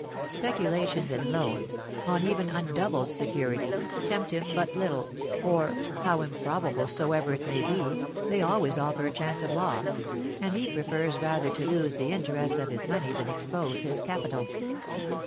Speculations and loans, on even undoubted security, tempt him but little, for, how improbable soever it may be, they always offer a chance of loss, and he prefers rather to lose the interest of his money than expose his capital.